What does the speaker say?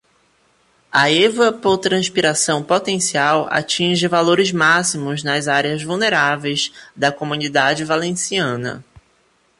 A evapotranspiração potencial atinge valores máximos nas áreas vulneráveis da Comunidade Valenciana.